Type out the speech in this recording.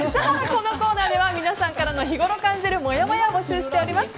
このコーナーでは皆さんからの日ごろ感じるもやもやを募集しております。